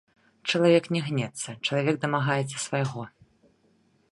Чалавек не гнецца, чалавек дамагаецца свайго.